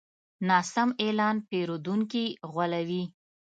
ناسم اعلان پیرودونکي غولوي.